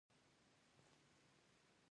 آیا فساد اقتصاد خراب کړی دی؟